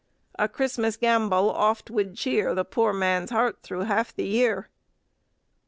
"A Christmas gambol oft' would cheer The poor man's heart through half the year."